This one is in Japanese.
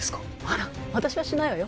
あら私はしないわよ